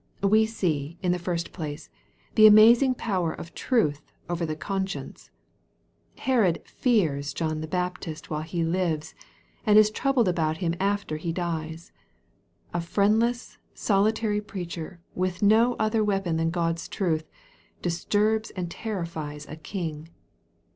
We see, in the first place, the amazing power of truth over the conscience. Herod "fears" John the Baptist while he lives, and is troubled about him after he dies. A friendless, solitary preacher, with no other weapon than God's truth, disturbs and terrifies a king.